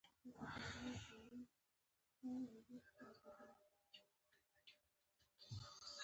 د ځان پېژندنې شرط یې همدغه شعور دی.